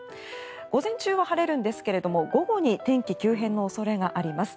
午前中は晴れるんですが午後に天気急変の恐れがあります。